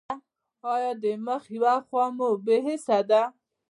ایا د مخ یوه خوا مو بې حسه ده؟